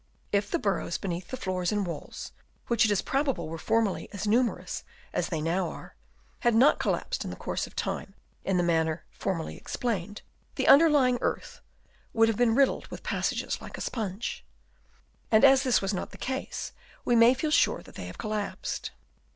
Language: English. If the burrows 192 BURIAL OF THE EEMAINS Chap. IV. beneath the floor and walls, which it is prob able were formerly as numerous as they now are, had not collapsed in the course of time in the manner formerly explained, the under lying earth would have been riddled with pas sages like a sponge ; and as this was not the case, we may feel sure that they have collapsed.